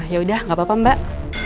yaudah nggak apa apa mbak